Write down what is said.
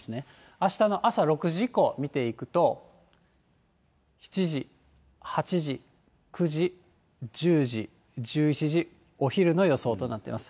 あしたの朝６時以降、見ていくと、７時、８時、９時、１０時、１１時、お昼の予想となってます。